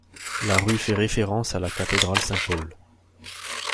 La rue fait référence à la cathédrale Saint-Paul.